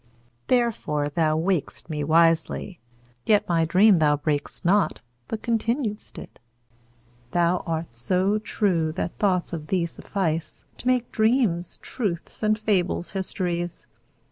Therefore thou waked'st me wisely; yetMy dream thou brak'st not, but continued'st it:Thou art so true that thoughts of thee sufficeTo make dreams truths and fables histories.